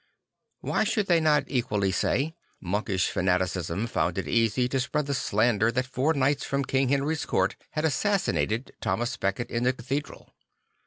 Why should they not say equally well, "Monkish fanaticism found it easy to spread the slander that four knights from King Henry's court had assassinated Thomas Becket in the cathedral